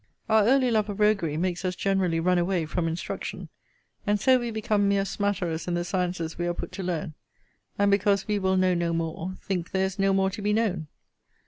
Our early love of roguery makes us generally run away from instruction; and so we become mere smatterers in the sciences we are put to learn; and, because we will know no more, think there is no more to be known.